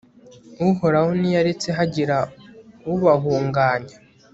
uhoraho ntiyaretse hagira ubahuganya